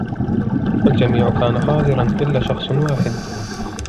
الجميع كان حاضرا إلا شخص واحد.